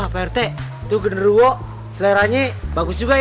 wah pak yorta itu genderwo seleranya bagus juga ya